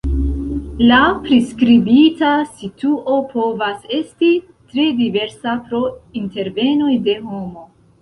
La priskribita situo povas esti tre diversa pro intervenoj de homo.